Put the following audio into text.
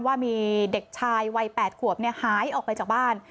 ว่ามีเด็กชายวัย๘ขวบหายออกไปจากบ้าน